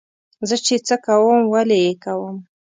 زه چې څه کوم ولې یې کوم.